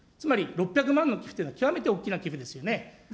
６００万の寄付というのは極めて大きな寄付ですよね。